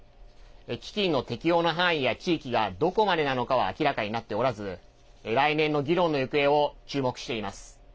基金の適用の範囲や地域がどこまでなのかは明らかになっておらず来年の議論の行方を注目しています。